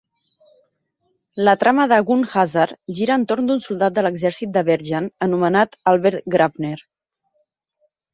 La trama de "Gun Hazard" gira entorn d'un soldat de l'exèrcit de Bergen anomenat Albert Grabner.